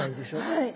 はい。